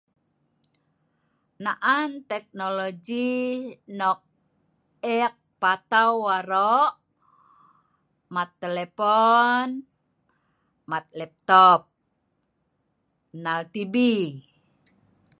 Na'an teknologi nok ek patau arok mat telepon, mat laptop, nhal tv